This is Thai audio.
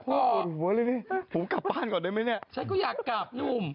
โอ้โหผมกลับบ้านก่อนได้ไหมเนี่ยฉันก็อยากกราบนุ่ม